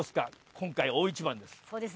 今回大一番です。